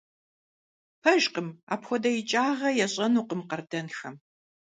Пэжкъым! Апхуэдэ икӀагъэ ящӀэнукъым къардэнхэм!